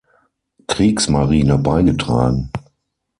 Kriegsmarine beigetragen.